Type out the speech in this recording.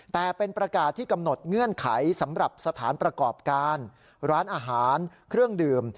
แต่เป็นประกาศที่กำหนดเงื่อนไขสำหรับสถานประกอบการร้านอาหารเครื่องดื่ม